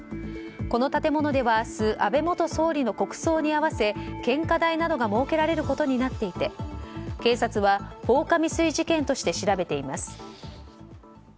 この建物では明日、安倍元総理の国葬に合わせ献花台などが設けられることになっていて警察は放火未遂事件として調べています。